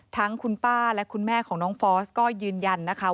ทั้งคุณป้าและคุณแม่ของน้องฟอสก็ยืนยันนะคะ